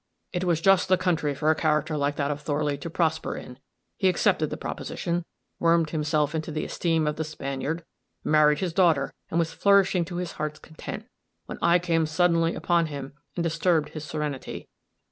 It was just the country for a character like that of Thorley to prosper in; he accepted the proposition, wormed himself into the esteem of the Spaniard, married his daughter, and was flourishing to his heart's content, when I came suddenly upon him and disturbed his serenity.